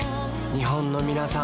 日本のみなさん